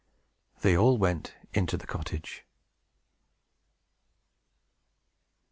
They all went into the cottage.